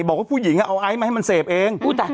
บอกว่าผู้หญิงอะเอาไอ้ให้มาเศษเอง